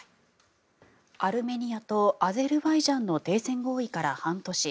アルメニアとアゼルバイジャンの停戦合意から半年。